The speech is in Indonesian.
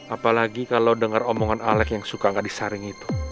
apalagi kalau dengar omongan alek yang suka gak disaring itu